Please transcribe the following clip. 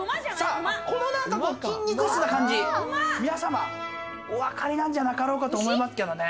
このなんか筋肉質な感じ、皆様、お分かりなんじゃなかろうかと思いますけどね。